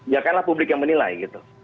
ya kanlah publik yang menilai gitu